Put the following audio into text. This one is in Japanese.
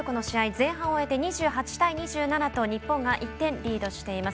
前半を終えて、２８対２７と日本が１点リードしています。